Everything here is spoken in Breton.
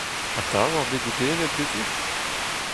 Atav oc'h bet dedennet ganti ?